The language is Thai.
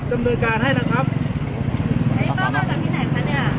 มันมาจากที่ไหนครับเนี้ย